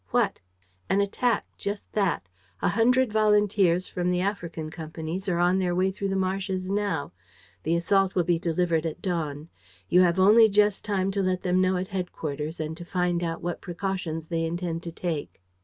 "What?" "An attack, just that. A hundred volunteers from the African companies are on their way through the marshes now. The assault will be delivered at dawn. You have only just time to let them know at headquarters and to find out what precautions they intend to take."